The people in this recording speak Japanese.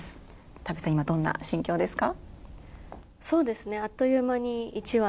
多部さん、今どんな心境ですか？